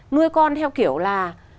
nuôi con theo kiểu là